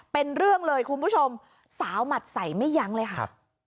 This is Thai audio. เป็นเรื่องเลยคุณผู้ชมสาวหมัดใส่ไม่ยั้งเลยค่ะ